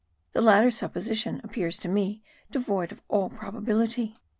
The latter supposition appears to me devoid of all probability.